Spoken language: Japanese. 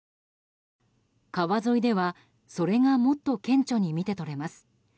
川沿いでは、それがもっと顕著に見て取れます。